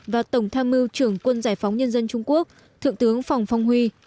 và tổng tham mưu trưởng quân giải phóng nhân dân trung quốc thượng tướng phòng phong huy